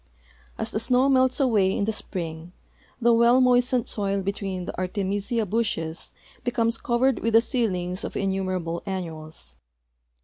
As the snow melts away in the spring, the well moistened soil between the Artemisia bushes l)ecomes covered with the seedlings of innumerable annuals.